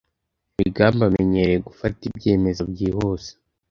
Migambi amenyereye gufata ibyemezo byihuse.